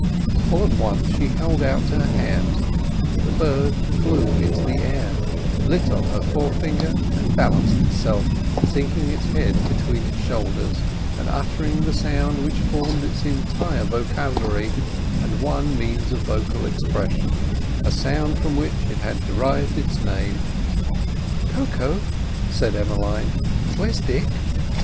All at once she held out her hand; the bird flew into the air, lit on her forefinger and balanced itself, sinking its head between its shoulders, and uttering the sound which formed its entire vocabulary and one means of vocal expression—a sound from which it had derived its name. "Koko," said Emmeline, "where is Dick?"